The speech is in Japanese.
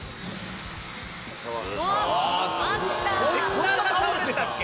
こんな倒れてたっけ